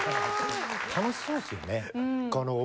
楽しそうですよね。